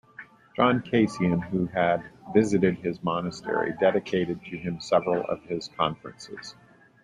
John Cassian, who had visited his monastery, dedicated to him several of his "Conferences".